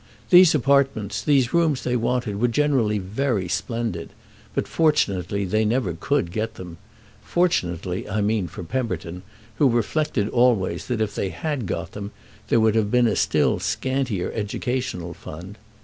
These apartments, the rooms they wanted, were generally very splendid; but fortunately they never could get them—fortunately, I mean, for Pemberton, who reflected always that if they had got them there would have been a still scantier educational fund.